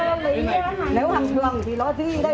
còn nếu ghi chữ là hàng thường là nó ngăn ngừa giọt bắn đấy